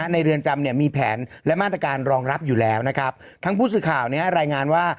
เรือนจำเนี่ยมีแผนและมาตรการรองรับอยู่แล้วนะครับทั้งผู้สื่อข่าวเนี่ยรายงานว่า